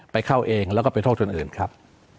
ไปเข้าเองแล้วก็ไปโทษคนอื่นครับ